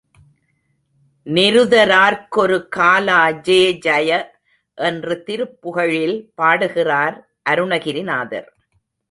நிருத ரார்க்கொரு காலா ஜேஜய என்று திருப்புகழில் பாடுகிறார் அருணகிரிநாதர்.